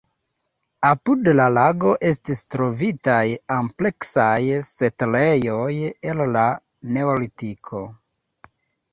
Apud la lago estis trovitaj ampleksaj setlejoj el la neolitiko.